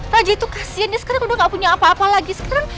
raja itu kasihan dia sekarang udah gak punya apa apa lagi